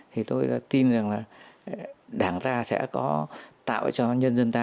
thì tôi tin rằng là đảng ta sẽ có tạo cho nhân dân ta